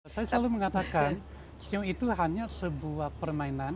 saya selalu mengatakan shi shen itu hanya sebuah permainan